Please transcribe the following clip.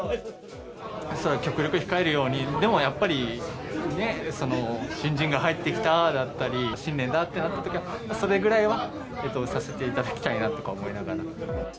極力控えるように、でもやっぱり、新人が入ってきただったり、新年だってなったときは、それぐらいはさせていただきたいなとか思いながら。